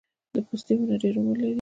د پستې ونه ډیر عمر لري؟